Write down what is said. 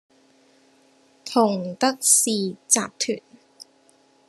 同得仕（集團）